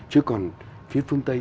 chứ còn phía phương tây